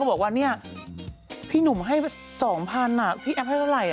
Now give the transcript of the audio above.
ใครเข้าแต่เอียร์หมดกระเป๋าอย่างคุณแล้วคุณหนุ่มเอิ้ง